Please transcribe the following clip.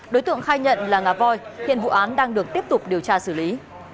đối tượng khai nhận là ngà voi hiện vụ án đang được tiếp tục điều tra xử lý